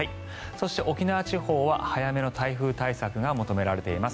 そして沖縄地方は早めの台風対策が求められています。